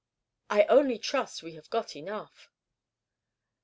I only trust we have got enough."